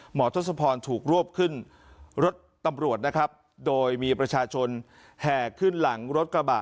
ทศพรถูกรวบขึ้นรถตำรวจนะครับโดยมีประชาชนแห่ขึ้นหลังรถกระบะ